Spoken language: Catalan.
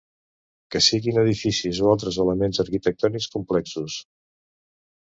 Que siguin edificis o altres elements arquitectònics complexos.